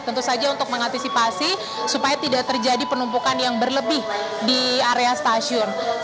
tentu saja untuk mengantisipasi supaya tidak terjadi penumpukan yang berlebih di area stasiun